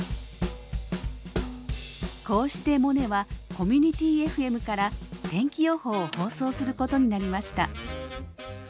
こうしてモネはコミュニティＦＭから天気予報を放送することになりました。